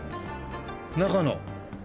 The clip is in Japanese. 中の。